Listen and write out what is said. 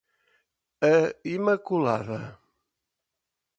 A imaculada